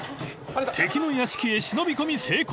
［敵の屋敷へ忍び込み成功］